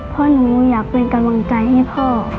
พ่อนุอยากเป็นกำลังใจให้พ่อ